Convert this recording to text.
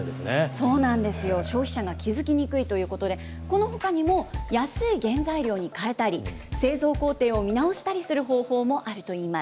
そうなんですよ、消費者が気付きにくいということで、このほかにも、安い原材料に変えたり、製造工程を見直したりする方法もあるといいます。